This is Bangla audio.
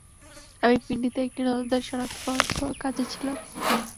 আমি পিন্ডিতে একটি নজরদারি সনাক্তকরণ কাজে ছিলাম।